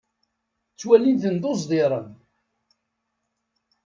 Ttwalin-ten d uẓdiren.